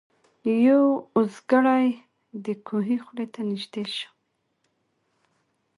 یو اوزګړی د کوهي خولې ته نیژدې سو